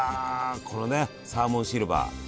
これねサーモンシルバー。